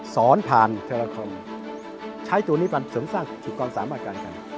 สอนผ่านเทลาคอมใช้ตัวนี้มาสรุปสร้างผิดกรณ์สามารถกัน